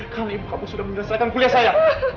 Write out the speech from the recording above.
kau sudah menjelaskan kuliah saya